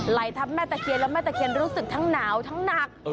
ไหลทับแม่ตะเคียนแล้วแม่ตะเคียนรู้สึกทั้งหนาวทั้งหนัก